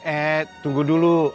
eh tunggu dulu